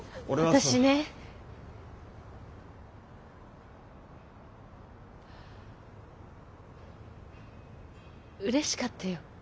私ねうれしかったよ。